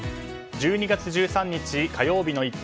１２月１３日火曜日の「イット！」